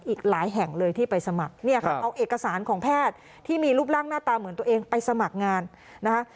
อีกหลายแห่งเลยที่ไปสมัครเนี่ยค่ะเอาเอกสารของแพทย์ที่มีรูปร่างหน้าตาเหมือนตัวเองไปสมัครงานนะคะ